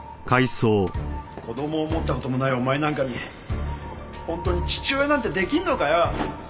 子供を持った事もないお前なんかに本当に父親なんて出来るのかよ！